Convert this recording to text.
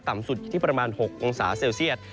ต่ำสุดอยู่ที่ประมาณ๖องศาเซลเซียต